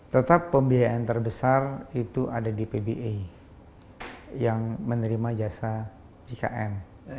tetap pembiayaan terbesar itu ada di pba yang menerima jasa jkn